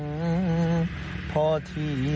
สวัสดีครับ